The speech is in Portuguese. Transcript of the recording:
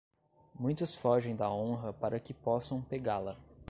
Muitos fogem da honra para que possam pegá-la.